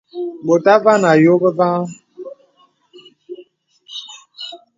Bòt àvā nà àdiò bə vaŋhaŋ.